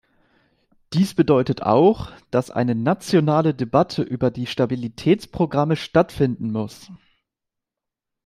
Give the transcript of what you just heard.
Dies bedeutet auch, dass eine nationale Debatte über die Stabilitätsprogramme stattfinden muss.